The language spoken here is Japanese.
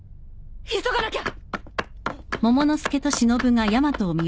急がなきゃ！